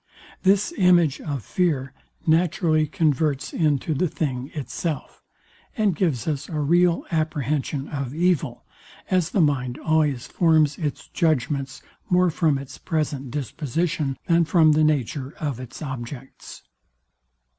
This image of fear naturally converts into the thing itself, and gives us a real apprehension of evil, as the mind always forms its judgments more from its present disposition than from the nature of its objects.